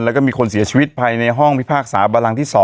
แล้วก็มีคนเสียชีวิตภายในห้องพิพากษาบรังที่๒